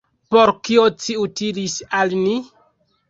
Por kio ci utilis al ni?